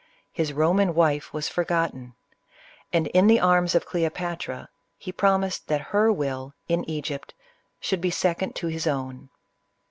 His Kdbaan wife was forgotten ; and in the arms of Cleopatra, he promised that her will, in Egypt, should be second to his own.